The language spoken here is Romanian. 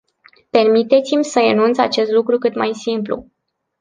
Permiteți-mi să enunț acest lucru cât mai simplu.